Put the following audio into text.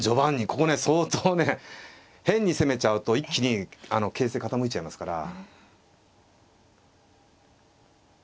ここね相当ね変に攻めちゃうと一気に形勢傾いちゃいますから。